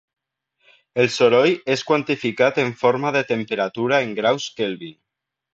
El soroll és quantificat en forma de temperatura en graus Kelvin.